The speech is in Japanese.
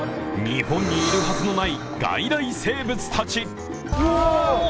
日本にいるはずのない外来生物たち。